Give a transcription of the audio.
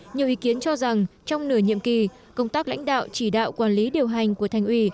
nhiều ý kiến cho rằng trong nửa nhiệm kỳ công tác lãnh đạo chỉ đạo quản lý điều hành của thành ủy